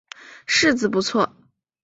柿子也不错